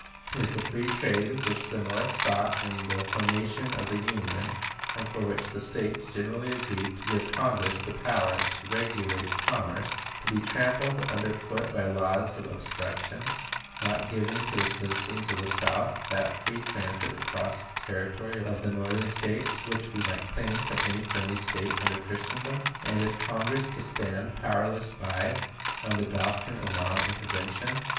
Is the free trade which the North sought in the formation of the Union, and for which the States generally agreed to give Congress the power to regulate commerce, to be trampled under foot by laws of obstruction, not giving to the citizens of the South that free transit across the territory of the Northern States which we might claim from any friendly state under Christendom; and is Congress to stand powerless by, on the doctrine of non intervention?